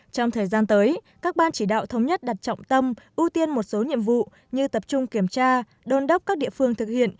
trong thời gian tới các ban chỉ đạo thống nhất đặt trọng tâm ưu tiên một số nhiệm vụ như tập trung kiểm tra đôn đốc các địa phương thực hiện